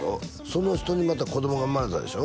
その人にまた子供が生まれたでしょ？